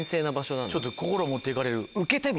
ちょっと心持って行かれる。